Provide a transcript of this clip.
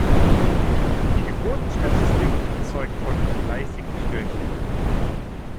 Die Geburtenstatistik zeugt von fleißigen Störchen.